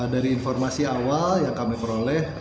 dari informasi awal yang kami peroleh